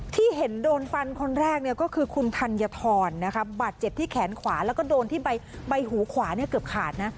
ที่เห็นโดนฟันคนแรกเนี่ยก็คือคุณธัญฑรบาดเจ็บที่แขนขวาแล้วก็โดนที่ใบหูขวาเนี่ยเกือบขาดนะ